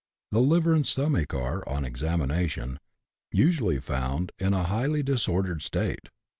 The liver and stomach are, on examination, usually found in a highly dis ordered state.